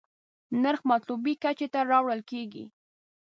نرخ مطلوبې کچې ته راوړل کېږي.